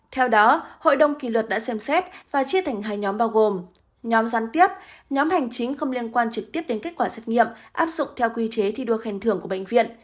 theo đó hội đồng kỳ luật đã xem xét và chia thành hai nhóm bao gồm nhóm gián tiếp nhóm hành chính không liên quan trực tiếp đến kết quả xét nghiệm áp dụng theo quy chế thi đua khen thưởng của bệnh viện